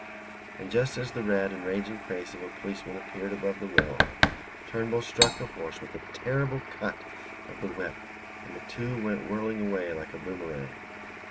And just as the red and raging face of a policeman appeared above the wall, Turnbull struck the horse with a terrible cut of the whip and the two went whirling away like a boomerang.